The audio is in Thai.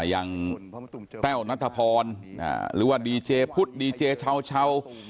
อย่างแต้วนัทพรหรือว่าดีเจพุทธดีเจเช่า